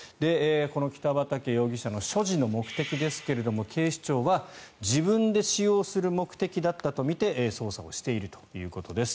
この北畠容疑者の所持の目的ですが警視庁は自分で使用する目的だったとみて捜査しているということです。